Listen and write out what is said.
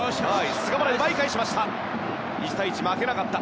菅原、奪い返しました。